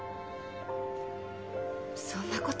そんなこと。